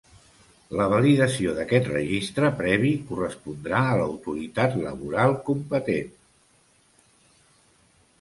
La validació d'aquest registre previ correspondrà a l'Autoritat Laboral competent.